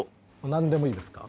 なんでもいいですか？